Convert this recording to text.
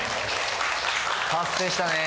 達成したね